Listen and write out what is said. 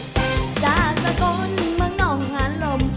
จากสกนเมืองน้องหาลม